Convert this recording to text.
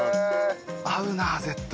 合うな絶対。